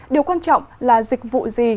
điều quan trọng là dịch vụ gì